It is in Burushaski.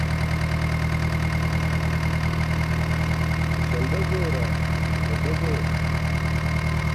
Śalda zoora, balda zoor?